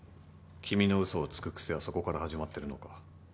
君の嘘をつく癖はそこから始まってるのか。